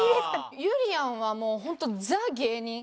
ゆりやんはもうホントザ・芸人。